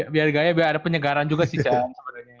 biar gaya biar ada penyegaran juga sih calon sebenernya